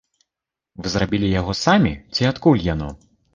Вы зрабілі яго самі ці адкуль яно?